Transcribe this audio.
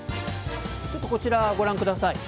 こちら、ご覧ください。